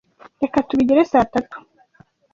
Reka tubigire saa tatu.